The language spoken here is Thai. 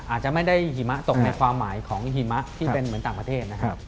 อาจจะไม่ได้หิมะตกในความหมายของหิมะที่เป็นเหมือนต่างประเทศนะครับ